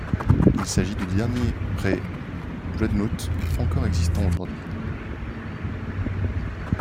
Il s'agit du dernier pré-Dreadnought encore existant aujourd'hui.